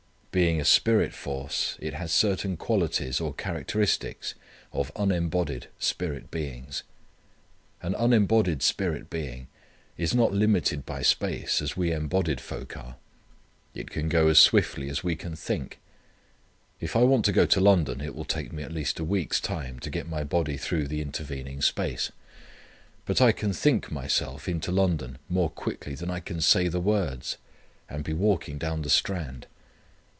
Being a spirit force it has certain qualities or characteristics of unembodied spirit beings. An unembodied spirit being is not limited by space as we embodied folk are. It can go as swiftly as we can think. If I want to go to London it will take at least a week's time to get my body through the intervening space. But I can think myself into London more quickly than I can say the words, and be walking down the Strand.